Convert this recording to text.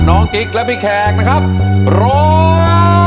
น้องกริ๊กแล้วมีแขกนะครับร้อง